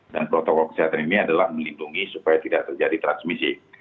dan protokol kesehatan ini adalah melindungi supaya tidak terjadi transmisi